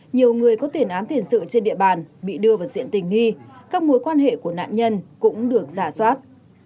nhiều người có tiền án tiền sự trên địa bàn bị đưa vào diện tình nghi các mối quan hệ của nạn nhân cũng được giả soát